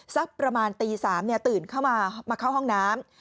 สักประมาณตี๓ตื่นเข้ามามาเข้าห้องน้ำ